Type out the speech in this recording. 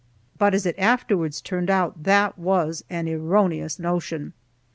But, as it afterwards turned out, that was an erroneous notion.